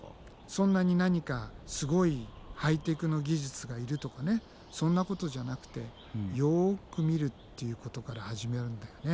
そんなに何かすごいハイテクの技術がいるとかねそんなことじゃなくてよく見るっていうことから始めるんだよね。